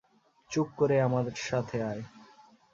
চুপ করে আমার সাথে আয়।